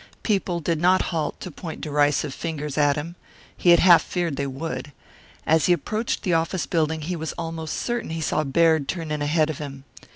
People did not halt to point derisive fingers at him; he had half feared they would. As he approached the office building he was almost certain he saw Baird turn in ahead of him.